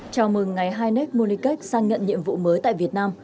chào mừng ngài heineck moniquech sang nhận nhiệm vụ mới tại việt nam